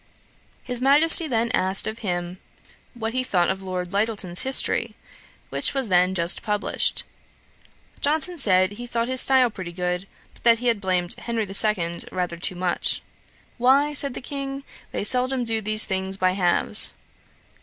His Majesty then asked him what he thought of Lord Lyttelton's History, which was then just published. Johnson said, he thought his style pretty good, but that he had blamed Henry the Second rather too much. 'Why, (said the King), they seldom do these things by halves.'